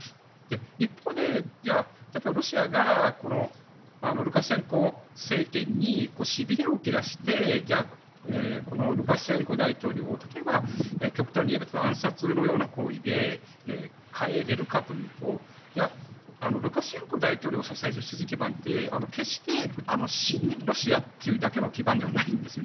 一方で、じゃあ例えば、ロシアがルカシェンコ政権にしびれを切らしてルカシェンコ大統領を極端に言えば暗殺のような行為で代えられるかというとルカシェンコ大統領の支持基盤って決して、親ロシアというだけの基盤ではないんですよね。